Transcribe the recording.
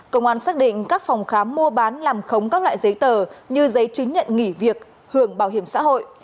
công an xác định các phòng khám mua bán làm khống các loại giấy tờ như giấy chứng nhận nghỉ việc hưởng bảo hiểm xã hội